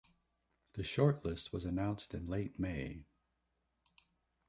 The shortlist was announced in late May.